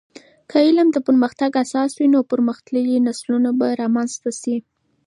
که علم د پرمختګ اساس وي، نو پرمختللي نسلونه به رامنځته سي.